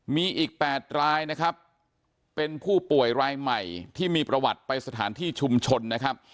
มีอีก๘รายนะครับเป็นผู้ป่วยรายใหม่ที่มีประวัติไปสถานที่ชุมชนนะครับ